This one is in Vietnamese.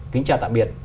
kính chào tạm biệt